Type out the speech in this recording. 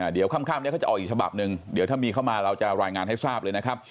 เดี๋ยวค่ำนี้เขาจะออกอีกฉบับหนึ่งเดี๋ยวถ้ามีเข้ามาเราจะรายงานให้ทราบเลยนะครับ